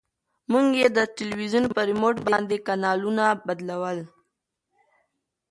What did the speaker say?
مور یې د تلویزون په ریموټ باندې کانالونه بدلول.